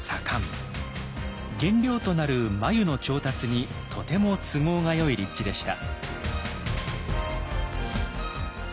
原料となる繭の調達にとても都合がよい立地でした。